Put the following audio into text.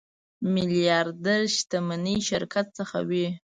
میلیاردر شتمني شرکت څخه وي.